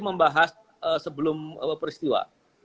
membahas sebelum peristiwa